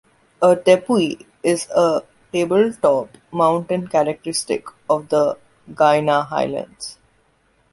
A tepui is a table-top mountain characteristic of the Guiana Highlands.